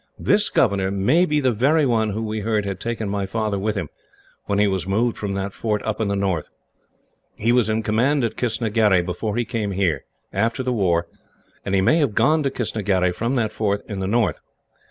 This governor may be the very one who we heard had taken my father with him, when he was moved from that fort up in the north. He was in command at Kistnagherry before he came here, after the war, and he may have gone to Kistnagherry from that fort in the north.